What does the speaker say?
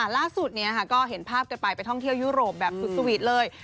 ล่าสุดก็เห็นภาพกันไปไปท่องเที่ยวยุโรปแบบสุดสวีทเลย